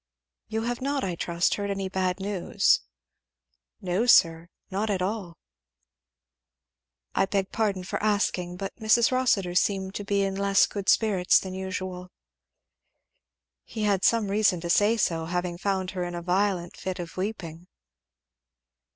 "You have not, I trust, heard any bad news?" "No sir not at all!" "I beg pardon for asking, but Mrs. Rossitur seemed to be in less good spirits than usual." He had some reason to say so, having found her in a violent fit of weeping.